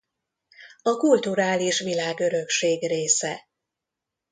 A kulturális világörökség része.